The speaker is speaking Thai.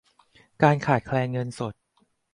การขาดแคลนเงินสด